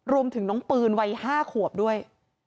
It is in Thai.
รวมถึงน้องปืนวัย๕ขวบด้วย